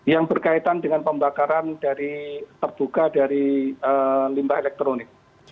yang berkaitan dengan pembakaran dari terbuka dari limbah elektronik